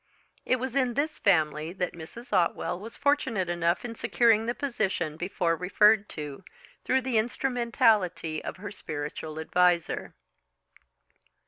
It was in this family that Mrs. Otwell was fortunate enough in securing the position before referred to through the instrumentality of her spiritual adviser.